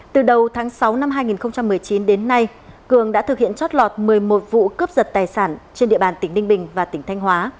từ đầu tháng sáu năm hai nghìn một mươi chín đến nay cường đã thực hiện chót lọt một mươi một vụ cướp giật tài sản trên địa bàn tỉnh ninh bình và tỉnh thanh hóa